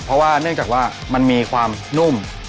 เพราะว่าเนื่องจากว่ามันมีความนุ่ม